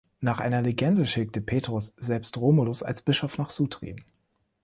Nach einer Legende schickte Petrus selbst Romulus als Bischof nach Sutri.